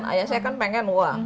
ayah saya kan pengen uang